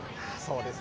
そうですね。